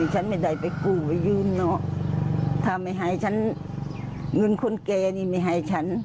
ฉันไม่ได้ไปกู้ไปยืนนอกถ้าไม่ให้ฉันเงินคนแก่นี่ไม่ให้ฉัน